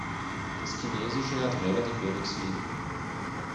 Das Chinesische hat relativ wenig Silben.